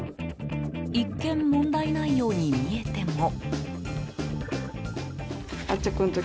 一見問題ないように見えても。